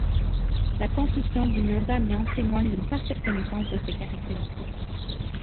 La construction du mur d’amiante témoigne d’une parfaite connaissance de ses caractéristiques.